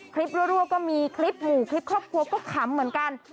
รั่วก็มีคลิปหมู่คลิปครอบครัวก็ขำเหมือนกัน